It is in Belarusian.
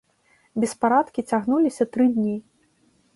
Беспарадкі цягнуліся тры дні.